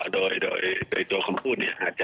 โดยตัวความพูด